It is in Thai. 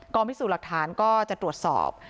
พิสูจน์หลักฐานก็จะตรวจสอบ